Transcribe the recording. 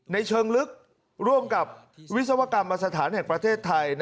เชิงลึกร่วมกับวิศวกรรมสถานแห่งประเทศไทย